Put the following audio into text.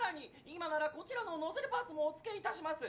今ならこちらのノズルパーツもお付けいたします！